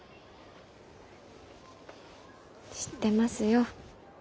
知ってますよ。